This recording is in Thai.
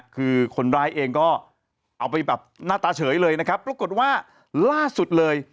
คือคนร้ายเองก็เอาไปแบบหน้าตาเฉยเลยนะครับปรากฏว่าล่าสุดเลย